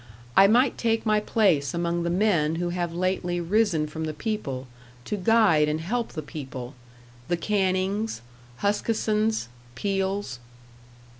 I might take my place among the men who have lately risen from the people, to guide and help the people the Cannings, Huskissons, Peels."